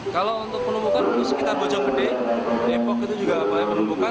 kalau untuk penumpukan sekitar bojong gede epok itu juga apa yang penumpukan